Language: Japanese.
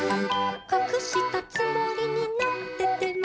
「かくしたつもりになってても」